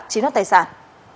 chí năng tài sản